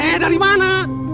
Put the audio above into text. eh dari mana